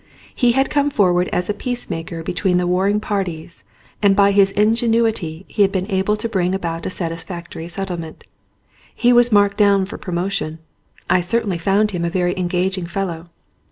He had come forward as a peacemaker between the warring parties and by his ingenuity had been able to bring about a satisfactory settlement. He was marked down for promotion. I certainly found him a very engaging fellow.